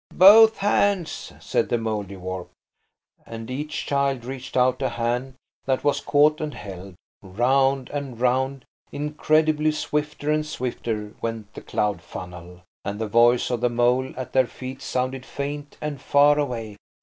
"Both hands," said the Mouldiwarp; and each child reached out a hand, that was caught and held. Round and round, incredibly swifter and swifter, went the cloud funnel, and the voice of the mole at their feet sounded faint and far away.